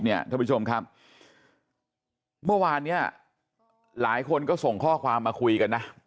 ท่านผู้ชมครับเมื่อวานเนี่ยหลายคนก็ส่งข้อความมาคุยกันนะ